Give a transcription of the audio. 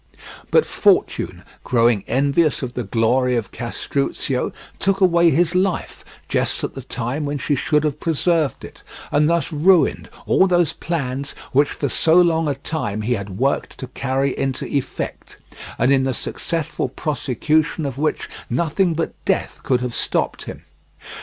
But Fortune growing envious of the glory of Castruccio took away his life just at the time when she should have preserved it, and thus ruined all those plans which for so long a time he had worked to carry into effect, and in the successful prosecution of which nothing but death could have stopped him.